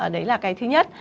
đấy là cái thứ nhất